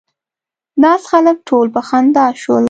ناست خلک ټول په خندا شول.